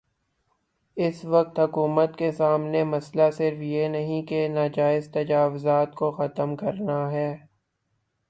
اس وقت حکومت کے سامنے مسئلہ صرف یہ نہیں ہے کہ ناجائز تجاوزات کو ختم کرنا ہے۔